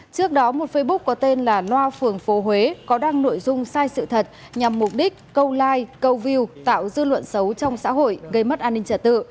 trước đó một facebook có tên là loa phường phố huế có đăng nội dung sai sự thật nhằm mục đích câu like câu view tạo dư luận xấu trong xã hội gây mất an ninh trả tự